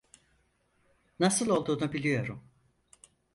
Nasıl olduğunu biliyorum.